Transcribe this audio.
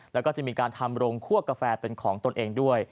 แล้วก็จะมีการทำโรงคั่วกาแฟเป็นของตนเองด้วย